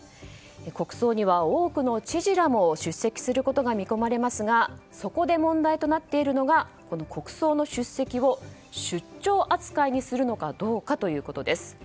国葬には多くの知事らも出席することが見込まれますがそこで問題となっているのが国葬の出席を出張扱いにするのかどうかということです。